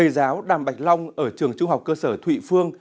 giáo đàm bạch long ở trường trung học cơ sở thụy phương